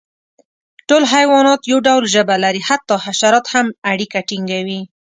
ټول حیوانات یو ډول ژبه لري، حتی حشرات هم اړیکه ټینګوي.